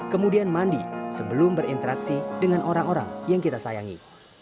kemudian mandi sebelum berinteraksi dengan orang orang yang kita sayangi